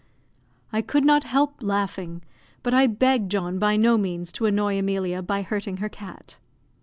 I could not help laughing, but I begged John by no means to annoy Emilia by hurting her cat.